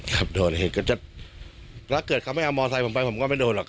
โดนเหตุก็จะถ้าเกิดเขาไม่เอามอไซค์ผมไปผมก็ไม่โดนหรอก